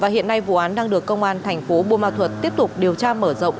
hiện nay vụ án đang được công an thành phố buôn ma thuật tiếp tục điều tra mở rộng